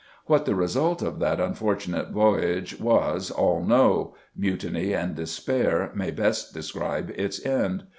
What the result of that unfortunate voyage was all know: mutiny and despair may best describe its end.